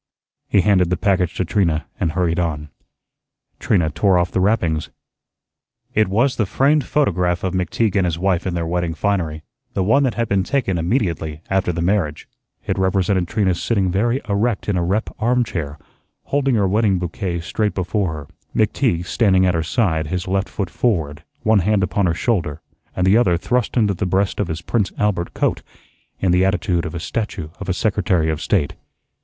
He handed the package to Trina and hurried on. Trina tore off the wrappings. It was the framed photograph of McTeague and his wife in their wedding finery, the one that had been taken immediately after the marriage. It represented Trina sitting very erect in a rep armchair, holding her wedding bouquet straight before her, McTeague standing at her side, his left foot forward, one hand upon her shoulder, and the other thrust into the breast of his "Prince Albert" coat, in the attitude of a statue of a Secretary of State.